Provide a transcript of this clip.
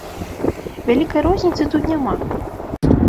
Вялікай розніцы тут няма.